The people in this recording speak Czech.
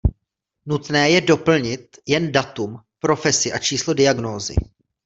Nutné je doplnit jen datum, profesi a číslo diagnózy.